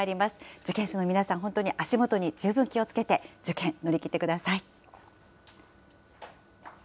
受験生の皆さん、本当に足元に十分気をつけて、受験、乗り切ってください。